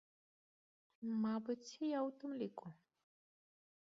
Мабыць, і я ў тым ліку.